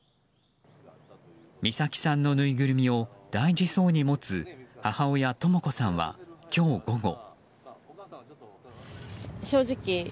美咲さんのぬいぐるみを大事そうに持つ母親とも子さんは今日午後。